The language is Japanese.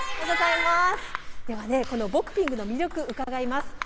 ではね、このボクピングの魅力、伺います。